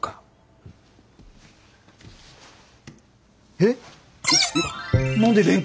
えっ？